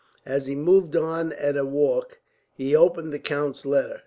As he moved on at a walk, he opened the count's letter.